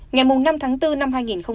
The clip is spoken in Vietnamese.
ngày năm tháng bốn năm hai nghìn một mươi bảy